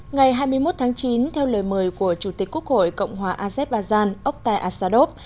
ngày hai mươi một tháng chín theo lời mời của chủ tịch quốc hội cộng hòa azerbaijan oktay asadov